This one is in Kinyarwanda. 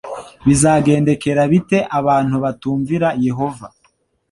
bizagendekera bite abantu batumvira yehova